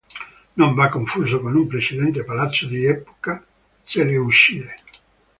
Non va confuso con un precedente palazzo di epoca seleucide.